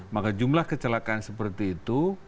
maka jumlah kecelakaan seperti itu